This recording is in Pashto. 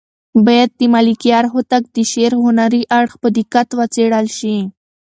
باید د ملکیار هوتک د شعر هنري اړخ په دقت وڅېړل شي.